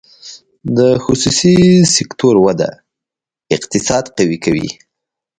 د خصوصي سکتور وده اقتصاد قوي کوي